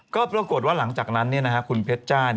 ก็ปรากฏว่าหลังจากนั้นคุณเพชรจ้า